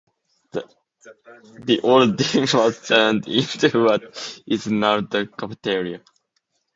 The old gym was turned into what is now the cafeteria.